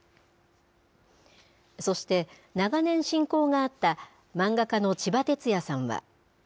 そして、長年親交があった漫画家のちばてつやさんは。